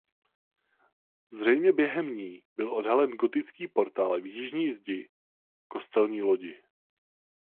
Zřejmě během ní byl odhalen gotický portál v jižní zdi kostelní lodi.